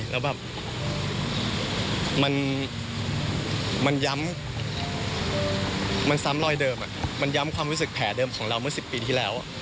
แล้วแบบมันย้ำมันซ้ำรอยเดิมมันย้ำความรู้สึกแผลเดิมของเราเมื่อ๑๐ปีที่แล้ว